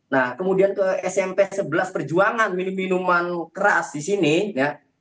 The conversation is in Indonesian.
nah kemudian ke smp sebelas perjuangan minum minuman keras di sini ya